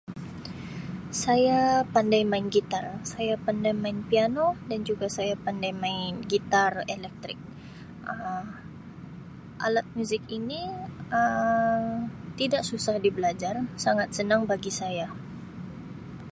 Saya pandai main gitar saya, pandai main piano dan juga saya pandai main gitar elektrik Um alat muzik ini Um tidak susah dibelajar sangat senang bagi saya.